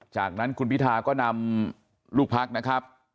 จากนั้นคุณพิธาก็นำลูกพักนะครับ